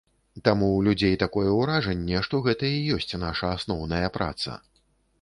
Таму ў людзей такое ўражанне, што гэта і ёсць наша асноўная праца.